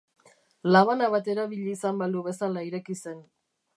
Labana bat erabili izan balu bezala ireki zen.